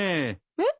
えっ？